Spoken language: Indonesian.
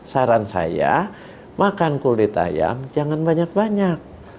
saran saya makan kulit ayam jangan banyak banyak